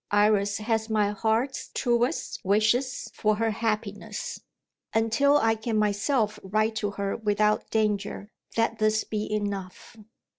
Iris has my heart's truest wishes for her happiness. Until I can myself write to her without danger, let this be enough."